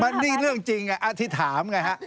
มันนี่เรื่องจริงไงอธิษฐานไงฮะ